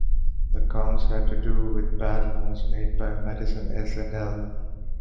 The counts had to do with bad loans made by Madison S and L.